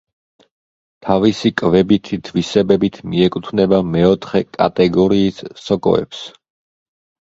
თავისი კვებითი თვისებებით მიეკუთვნება მეოთხე კატეგორიის სოკოებს.